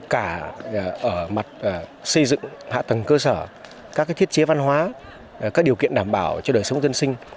cả ở mặt xây dựng hạ tầng cơ sở các thiết chế văn hóa các điều kiện đảm bảo cho đời sống dân sinh